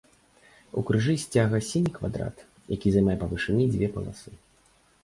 У крыжы сцяга сіні квадрат, які займае па вышыні дзве паласы.